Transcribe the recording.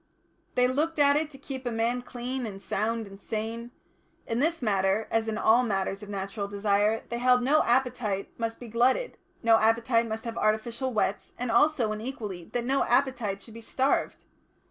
They looked to it to keep a man clean and sound and sane. In this matter, as in all matters of natural desire, they held no appetite must be glutted, no appetite must have artificial whets, and also and equally that no appetite should be starved.